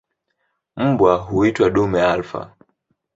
Mbwa mkuu huitwa "dume alfa".